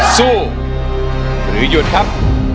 สู้หรือหยุดครับ